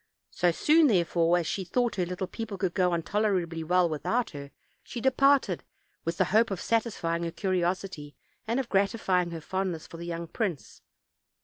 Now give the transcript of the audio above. So soon, therefore, as she thought her little peo ple could go on tolerably well without her, she depart jed, with the hope of satisfy |j ing her curiosity, and of grat ifying her fondness for the young prince.